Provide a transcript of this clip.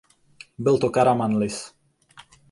Byl to Karamanlis.